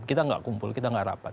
kita enggak kumpul kita enggak rapat